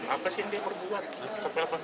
apa sih yang dia berbuat